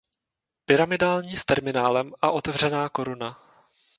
Pyramidální s terminálem a otevřená koruna.